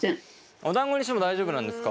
おだんごにしても大丈夫なんですか？